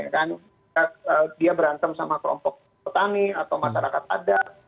dan dia berantem sama kelompok petani atau masyarakat adat